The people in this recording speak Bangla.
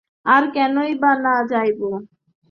আর কেনই বা না যাইব।